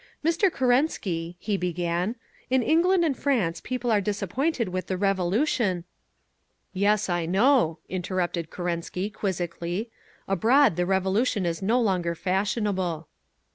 "Mr. Kerensky," he began, "in England and France people are disappointed with the Revolution——" "Yes, I know," interrupted Kerensky, quizzically. "Abroad the Revolution is no longer fashionable!"